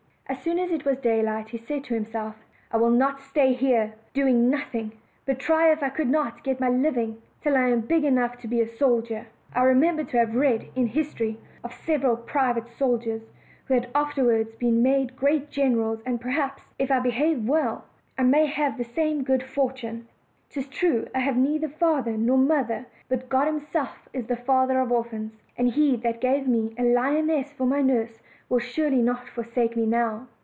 As soon as it was daylight he said to himself, "I will not stay here doing nothing, but try if I cannot get my living till I am big enough to be a soldier. I remember to have read, in history, of several private OLD, OLD FAIRY TALES. Soldiers who have afterward been made great generals; and, perhaps, if I behave well, I may have the same good fortune. 'Tis true I have neither father nor mother; but God Himself is the Father of orphans, and He that gave me a lioness for my nurse will surely not forsake me now."